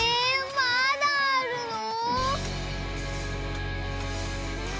まだあるの？